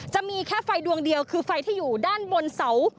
จะมีแค่ไฟดวงเดียวคือไฟที่อยู่ด้านบนเสา